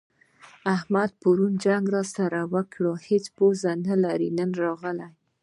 احمد پرون جنګ راسره وکړ؛ هيڅ پزه نه لري - نن راغی.